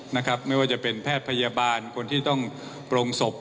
ไม่ว่าจะเป็นแพทย์พยาบาลคนที่ต้องโปรงศพ